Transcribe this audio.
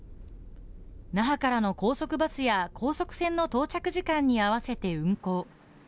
那覇からの高速バスや高速船の到着時間に合わせて運行。